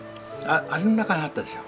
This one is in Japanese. あの中にあったでしょ。